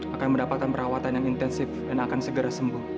akan mendapatkan perawatan yang intensif dan akan segera sembuh